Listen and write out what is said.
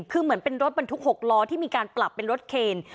คือเหมือนเป็นรถบรรทุก๖ล้อที่มีการปรับเป็นรถเคน